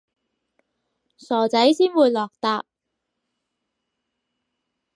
傻仔先會落疊